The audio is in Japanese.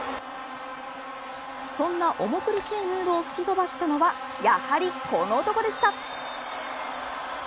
そんな重苦しいムードを吹き飛ばしたのはやはりこの男でした。